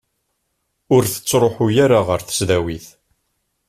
Ur tettruḥu ara ɣer tesdawit.